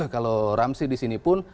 kalau ramsey disini pun